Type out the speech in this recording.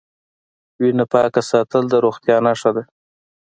وینه پاکه ساتل د روغتیا نښه ده.